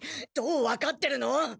どうわかってるの？